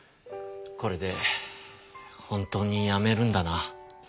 これで本当にやめるんだな。